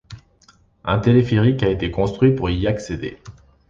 Un téléphérique a été construit pour y accéder.